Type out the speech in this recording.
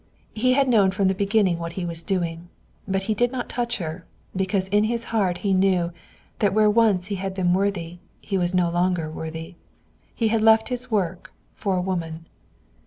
He had known from the beginning what he was doing. But he did not touch her, because in his heart he knew that where once he had been worthy he was no longer worthy. He had left his work for a woman.